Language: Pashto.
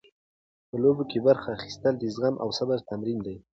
په لوبو کې برخه اخیستل د زغم او صبر تمرین دی.